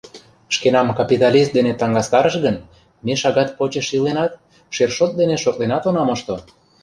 Шкенам капиталист дене таҥастараш гын, ме шагат почеш иленат, шершот дене шотленат она мошто.